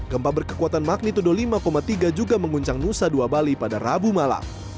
gempa berkekuatan magnitudo lima tiga juga menguncang nusa dua bali pada rabu malam